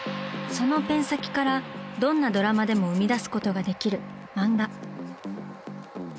そのペン先からどんなドラマでも生み出すことができる「漫画」。